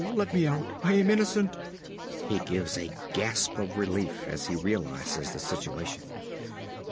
Let me out I am innocent! (_He gives a gasp of relief as he realises the situation.